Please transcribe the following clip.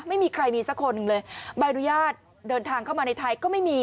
ไม่มีใครมีสักคนหนึ่งเลยใบอนุญาตเดินทางเข้ามาในไทยก็ไม่มี